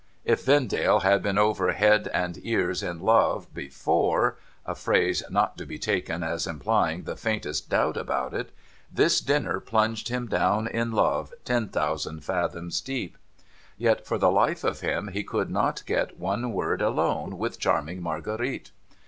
If Vendale had been over head and ears in love before — a phrase not to be taken as implying the faintest doubt about it — this dinner plunged him down in love ten thousand fathoms deep. Yet, for the life of him, he could not get one word alone with charming Marguerite.